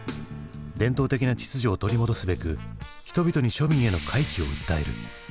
伝統的な秩序を取り戻すべく人々に庶民への回帰を訴える。